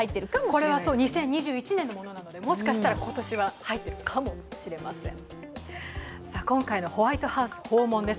これは２０２１年のものなので、もしかしたら今年は入ってるかもしれません。